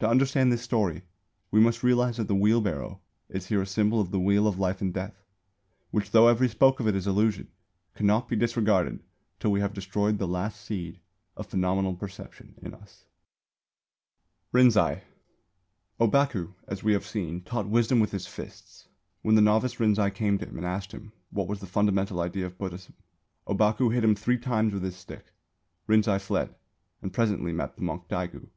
To understand this story we must realise that the wheel barrow is here a symbol of the Wheel of Life and Death, which, though every spoke of it is illusion, cannot be disregarded till we have destroyed the last seed of phenomenal perception in us. RINZAI. Ōbaku, as we have seen, taught wisdom with his fists. When the novice Rinzai came to him and asked him what was the fundamental idea of Buddhism, Ōbaku hit him three times with his stick. Rinzai fled and presently met the monk Daigu.